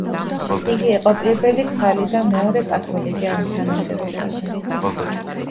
იგი იყო პირველი ქალი და მეორე კათოლიკე ამ თანამდებობაზე.